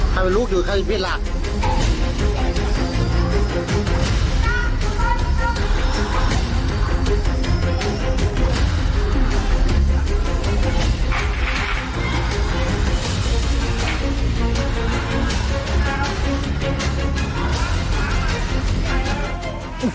ใครเป็นลูกดูใครเป็นเบี้ยหลัก